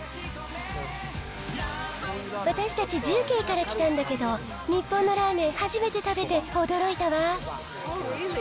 私たち、重慶から来たんだけど、日本のラーメン、初めて食べて驚いたわ。